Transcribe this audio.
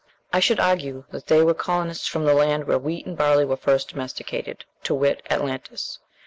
I should argue that they were colonists from the land where wheat and barley were first domesticated, to wit, Atlantis.